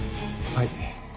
はい。